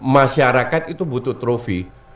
masyarakat itu butuh trophy